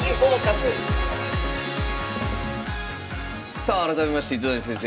さあ改めまして糸谷先生。